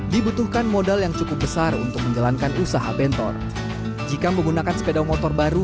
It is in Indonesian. dibutuhkan modal yang cukup besar untuk menjalankan usaha bentor jika menggunakan sepeda motor baru